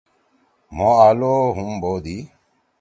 مھو آلو ہُم بودی۔